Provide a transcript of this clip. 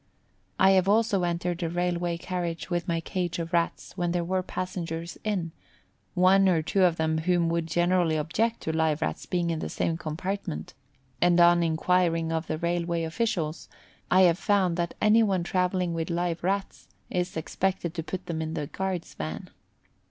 I have also entered a railway carriage with my cage of rats when there were passengers in, one or two of whom would generally object to live Rats being in the same compartment, and on enquiring of the railway officials, I have found that any one travelling with live Rats is expected to put them in the guard's van.